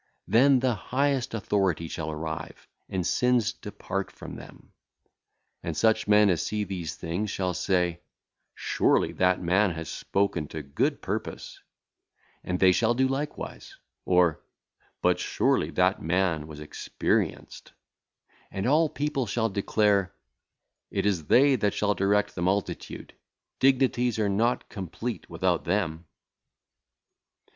Then the highest authority shall arrive, and sins depart [from them]. And such men as see these things shall say, 'Surely that man hath spoken to good purpose,' and they shall do likewise; or, 'But surely that man was experienced.' And all people shall declare, 'It is they that shall direct the multitude; dignities are not complete without them.'